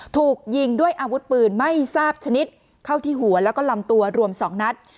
ถูกยิงด้วยอาวุธปืนไม่ทราบชนิดเข้าที่หัวแล้วก็ลำตัวรวม๒นัด